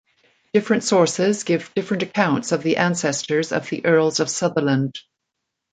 Different sources give different accounts of the ancestors of the Earls of Sutherland.